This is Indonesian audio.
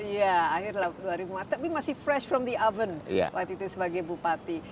iya akhir tahun dua ribu empat tapi masih fresh from the oven waktu itu sebagai bupati